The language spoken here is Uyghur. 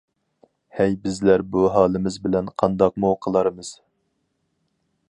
ھەي بىزلەر بۇ ھالىمىز بىلەن قانداقمۇ قىلارمىز!